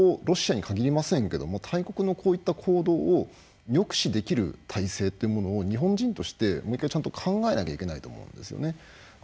ロシアに限りませんけども大国のこういった行動を抑止できる体制っていうものを日本人としてもう１回ちゃんと考えなきゃいけないと思うんですよね。